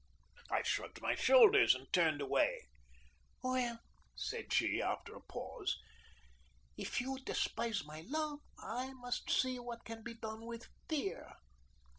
I shrugged my shoulders and turned away. "Well," said she, after a pause, "if you despise my love, I must see what can be done with fear.